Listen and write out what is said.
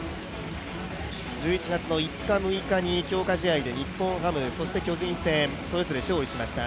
１１月の５日、６日に強化試合で日本ハムそして巨人戦それぞれ勝利しました。